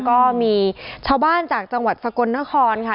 ก็มีชาวบ้านจากจังหวัดสกลนครค่ะ